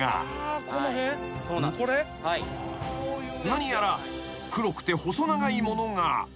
［何やら黒くて細長いものが。